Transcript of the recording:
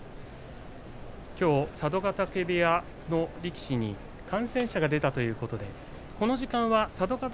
きょう佐渡ヶ嶽部屋の力士に感染者が出たということでこの時間は佐渡ヶ